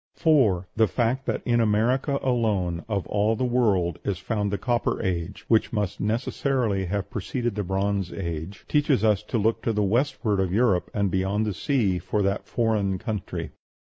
4. The fact that in America alone of all the world is found the Copper Age, which must necessarily have preceded the Bronze Age, teaches us to look to the westward of Europe and beyond the sea for that foreign country.